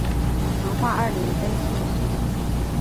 成化二年登进士。